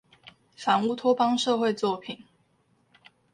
反烏托邦社會作品